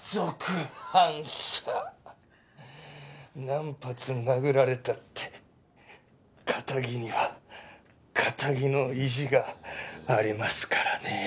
何発殴られたって堅気には堅気の意地がありますからね。